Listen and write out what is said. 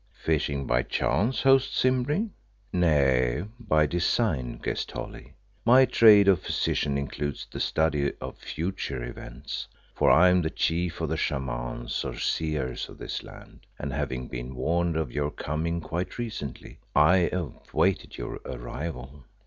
"Fishing by chance, host Simbri?" "Nay, by design, guest Holly. My trade of physician includes the study of future events, for I am the chief of the Shamans or Seers of this land, and, having been warned of your coming quite recently, I awaited your arrival."